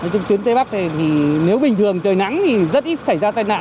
trên tuyến tây bắc thì nếu bình thường trời nắng thì rất ít xảy ra tai nạn